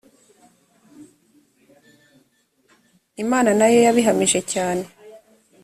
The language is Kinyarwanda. imana na yo yabihamije cyane